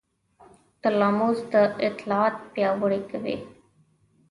تلاموس دا اطلاعات پیاوړي کوي.